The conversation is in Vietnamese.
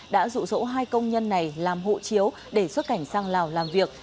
đã rụ rỗ hai công nhân này làm hộ chiếu để xuất cảnh sang lào làm việc